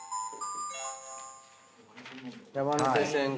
山手線か。